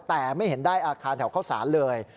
แต่ไม่เห็นได้อาคารแถวเข้าสารเลย